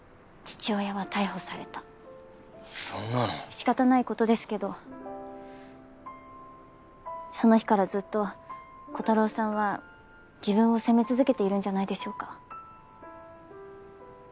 仕方ない事ですけどその日からずっとコタローさんは自分を責め続けているんじゃないでしょうか。